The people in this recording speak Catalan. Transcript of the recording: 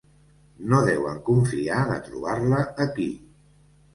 No deuen confiar de trobar-la aquí.